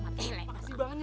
udah bener banyak banget